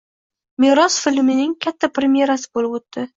“Meros” filmining katta premerasi bo‘lib o‘tdi